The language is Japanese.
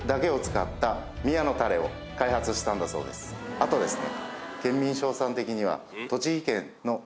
あとですね。